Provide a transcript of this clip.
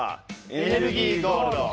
エネルギーゴールド。